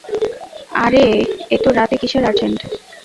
আরে এতো রাতে, কিসের আর্জেন্ট?